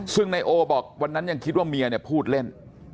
ซึ่งไนโอบอกวันนั้นยังคิดว่าเมียพูดเล่น